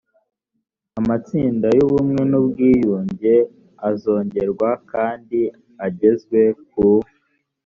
amatsinda y ubumwe n ubwuyunge azongerwa kandi agezwe ku